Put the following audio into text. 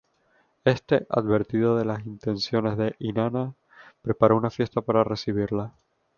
Éste, advertido de las intenciones de Inanna, preparó una fiesta para recibirla.